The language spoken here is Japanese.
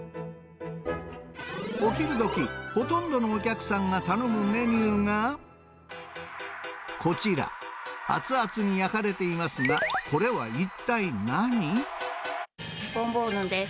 お昼どき、ほとんどのお客さんが頼むメニューが、こちら、熱々に焼かれていボンボーヌです。